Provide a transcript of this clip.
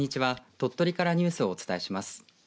鳥取からニュースをお伝えします。